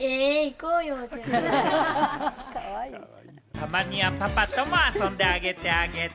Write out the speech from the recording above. たまにはパパとも遊んであげて。